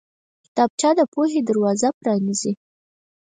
کتابچه د پوهې دروازه پرانیزي